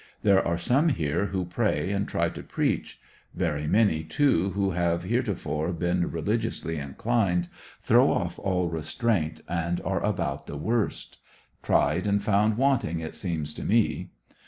There are some here who pray and try to preach. Very many too who have heretofore been relig iously inclined, throw off all restraint and are about the worst. Tried and found wanting it seems to me.